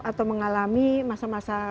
atau mengalami masa masa